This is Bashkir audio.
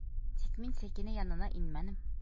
Тик мин Сәкинә янына инмәнем!